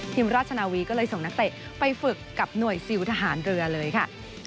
ราชนาวีก็เลยส่งนักเตะไปฝึกกับหน่วยซิลทหารเรือเลยค่ะ